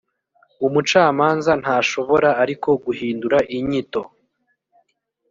umucamanza ntashobora ariko guhindura inyito